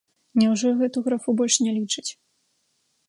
Няўжо гэту графу больш не лічаць?